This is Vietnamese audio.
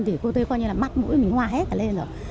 thì cô thấy coi như là mắt mũi mình hoa hết cả lên rồi